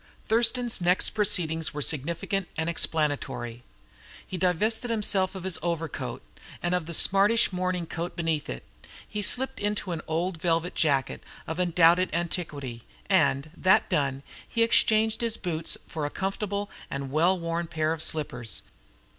Thurston's next proceedings were significant and explanatory. He divested himself of his overcoat, and of the smartish morning coat beneath it, and slipped into an old velvet jacket of undoubted antiquity; and, that done, he exchanged his boots for a comfortable and well worn pair of slippers.